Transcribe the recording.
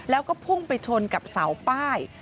แล้วก็พุ่งไปชนกับเสาป้าย